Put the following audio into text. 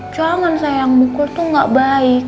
jangan sayang mukul tuh nggak baik